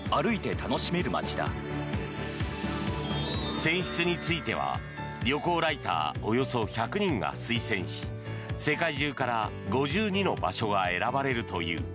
選出については旅行ライターおよそ１００人が推薦し世界中から５２の場所が選ばれるという。